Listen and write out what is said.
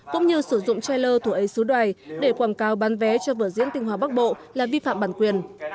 cũng như sử dụng trailer thùa ấy sứ đoài để quảng cáo bán vé cho vợ diễn tình hòa bắc bộ là vi phạm bản quyền